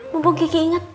mumpung kiki ingat